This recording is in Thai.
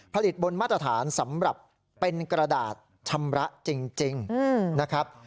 ผลิตบนมาตรฐานสำหรับเป็นกระดาษชำระจริงนะครับ